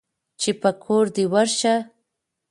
چې په کور دى ورشه.